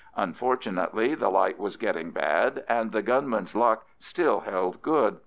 Unfortunately the light was getting bad, and the gunmen's luck still held good.